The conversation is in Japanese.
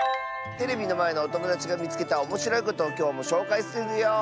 テレビのまえのおともだちがみつけたおもしろいことをきょうもしょうかいするよ！